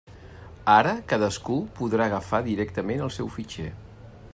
Ara cadascú podrà agafar directament el seu fitxer.